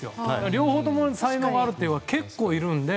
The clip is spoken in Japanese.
両方とも才能があるというのが結構いるんで。